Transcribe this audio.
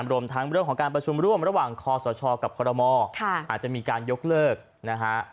รวมทั้งเรื่องของการประชุมร่วมระหว่างคอสชกับคอรมออาจจะมีการยกเลิกนะฮะ